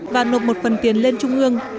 và nộp một phần tiền lên trung ương